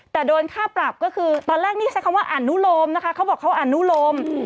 แต่โดนค่าปรับก็คือตอนแรกนี่ใช้คำว่าอนุโลมนะคะเขาบอกเขาอนุโลม